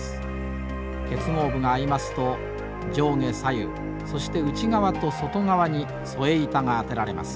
結合部が合いますと上下左右そして内側と外側に添え板が当てられます。